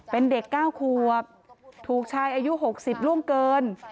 เป็นเด็กเก้าครัวถูกชายอายุ๖๐ร่วมเกิน